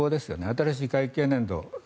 新しい会計年度。